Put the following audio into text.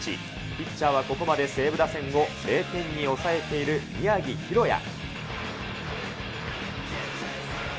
ピッチャーはここまで西武打線を０点に抑えている宮城大弥。